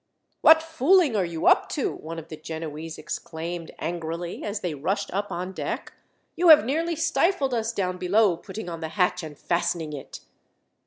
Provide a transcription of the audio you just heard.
"What fooling are you up to?" one of the Genoese exclaimed, angrily, as they rushed up on deck. "You have nearly stifled us down below putting on the hatch and fastening it."